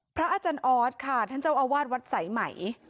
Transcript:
พระอาจารย์ออสค่ะท่านเจ้าอาวาสวัดสายไหม